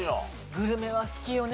グルメは好きよね